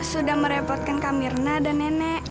sudah merepotkan kamirna dan nenek